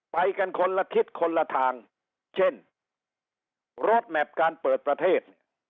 ไปกันคนละทิศคนละทางเช่นรถแมพการเปิดประเทศเนี่ย